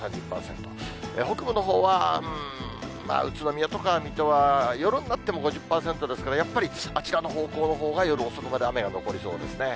北部のほうはうーん、宇都宮とか水戸は夜になっても５０％ですから、やっぱりあちらの方向のほうが夜遅くまで雨が残りそうですね。